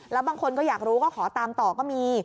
แล้วบางคนก็อยากรู้ก็ขอตามต่อก็มี